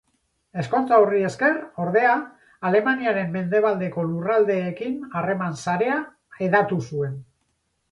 Ezkontza horri esker, ordea, Alemaniaren mendebaldeko lurraldeekin harreman-sarea hedatu zuen.